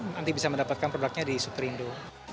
nanti bisa mendapatkan produknya di super indo